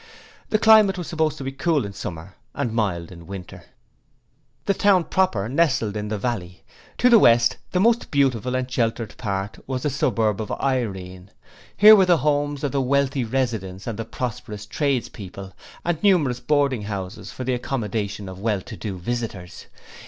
The climate was supposed to be cool in summer and mild in winter. The town proper nestled in the valley: to the west, the most beautiful and sheltered part was the suburb of Irene: here were the homes of the wealthy residents and prosperous tradespeople, and numerous boarding houses for the accommodation of well to do visitors.